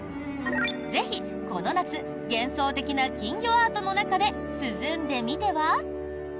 ぜひ、この夏幻想的な金魚アートの中で涼んでみては？